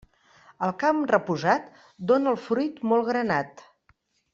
El camp reposat dóna el fruit molt granat.